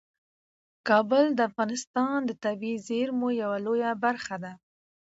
کابل د افغانستان د طبیعي زیرمو یوه لویه برخه ده.